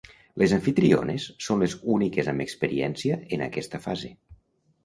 Les amfitriones són les úniques amb experiència en aquesta fase.